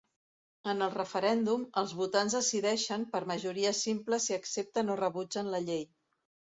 En el referèndum, els votants decideixen, per majoria simple si accepten o rebutgen la llei.